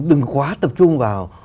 đừng quá tập trung vào